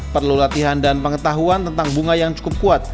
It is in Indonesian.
perlu latihan dan pengetahuan tentang bunga yang cukup kuat